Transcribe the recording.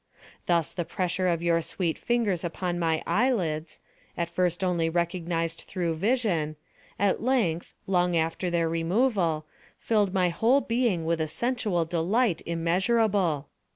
Thus the pressure of your sweet fingers upon my eyelids, at first only recognised through vision, at length, long after their removal, filled my whole being with a sensual delight immeasurable.